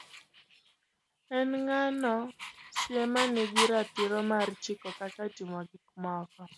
en ng'ano sie ma nigi ratiro mar chiko kaka itimo gik moko